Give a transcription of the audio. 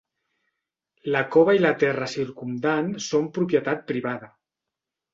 La cova i la terra circumdant són propietat privada.